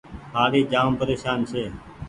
هآڙي جآم پريشان ڇي۔